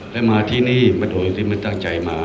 และมาทีนี้ไม่ต้องอย่างที่ไม่ตั้งใจมา